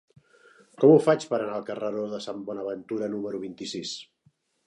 Com ho faig per anar al carreró de Sant Bonaventura número vint-i-sis?